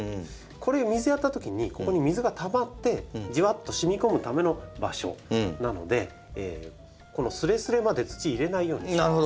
これ水やったときにここに水がたまってじわっとしみ込むための場所なのでこのすれすれまで土入れないようにしてください。